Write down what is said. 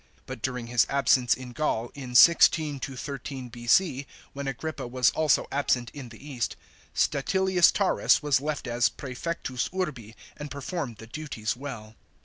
But during his absence in Gaul in 16 13 B.C., when Agrippa was also absent in the East, StatiliuG Taurus was left as pra/ectus urbi, and performed the duties well.